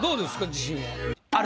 自信は。